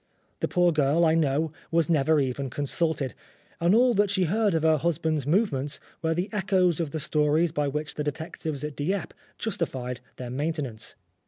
The poor girl, I know, was never even consulted, and all that she heard of her husband's movements were the echoes of the stories by which the detectives at Dieppe justified their main tenance.